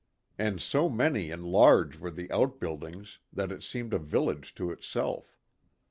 And so many and large were the out buildings that it seemed a village to itself.